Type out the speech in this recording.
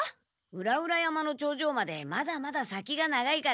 裏々山の頂上までまだまだ先が長いから。